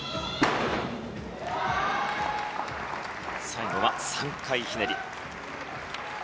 最後は３回ひねり。